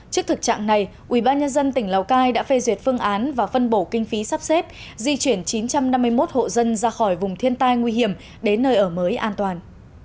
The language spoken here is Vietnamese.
trước thực trạng này ubnd tỉnh lào cai đã phê duyệt phương án và phân bổ kinh phí sắp xếp di chuyển chín trăm năm mươi một hộ dân ra khỏi vùng thiên tai nguy hiểm đến nơi ở mới an toàn